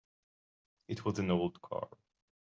It was an old car.